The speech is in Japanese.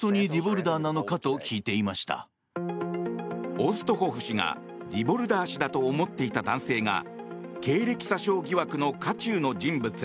オストホフ氏がディボルダー氏だと思っていた男性が経歴詐称疑惑の渦中の人物